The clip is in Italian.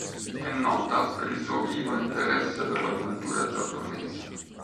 È nota per il suo vivo interesse per la cultura giapponese.